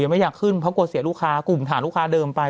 ไม่อยากขึ้นเพราะกลัวเสียลูกค้ากลุ่มฐานลูกค้าเดิมไป